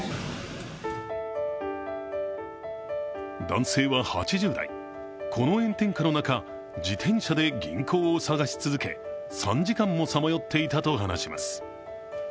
男性は８０代、この炎天下の中、自転車で銀行を探し続け３時間もさまよっていたと話します